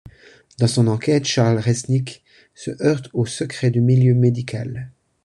Dans son enquête Charles Resnick se heurte au secret du milieu médical.